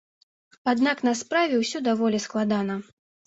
Аднак на справе ўсё даволі складана.